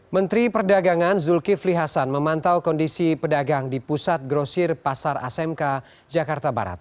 menteri perdagangan zulkifli hasan memantau kondisi pedagang di pusat grosir pasar asmk jakarta barat